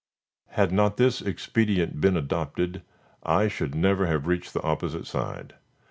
Had not this expedient been adopted, I should never have reached the opposite side.